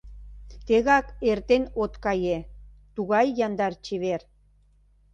Тегак эртен от кае: Тугай яндар-чевер!